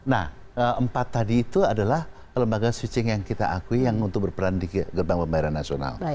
nah empat tadi itu adalah lembaga switching yang kita akui yang untuk berperan di gerbang pembayaran nasional